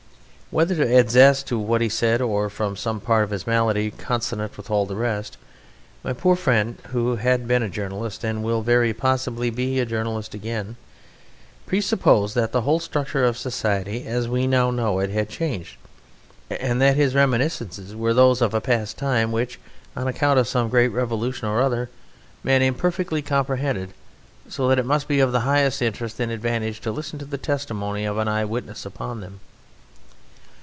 Whether to add zest to what he said or from some part of his malady consonant with all the rest, my poor friend (who had been a journalist and will very possibly be a journalist again) presupposed that the whole structure of society as we now know it had changed and that his reminiscences were those of a past time which, on account of some great revolution or other, men imperfectly comprehended, so that it must be of the highest interest and advantage to listen to the testimony of an eye witness upon them.